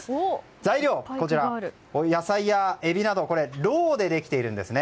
材料、野菜やエビなどろうでできているんですね。